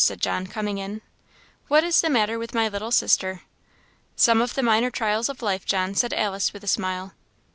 said John, coming in. "What is the matter with my little sister?" "Some of the minor trials of life, John," said Alice, with a smile.